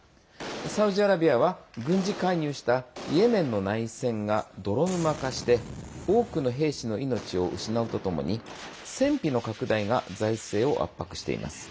サウジアラビアは、軍事介入したイエメンの内戦が泥沼化して多くの兵士の命を失うとともに戦費の拡大が財政を圧迫しています。